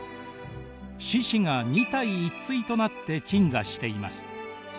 獅子が２体１対となって鎮座しています。